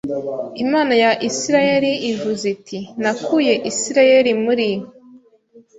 Imana ya Isirayeli ivuze iti Nakuye Isirayeli muri